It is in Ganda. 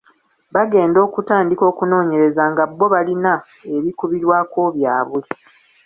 Bagenda okutandika okunoonyereza nga bbo balina ebikubirwako byabwe.